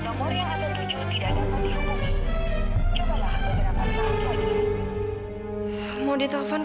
nomor yang ada tujuh tidak dapat dihubungi